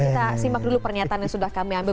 kita simak dulu pernyataan yang sudah kami ambil